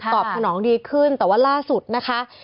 ตอบสนองดีขึ้นแต่ว่าล่าสุดนะคะ